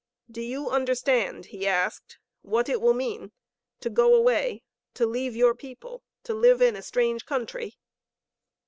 "Do you understand," he asked, "what it will mean to go away, to leave your people, to live in a strange country?"